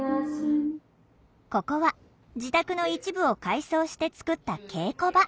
ここは自宅の一部を改装して作った稽古場。